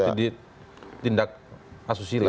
maksudnya itu itu tindak asusir ya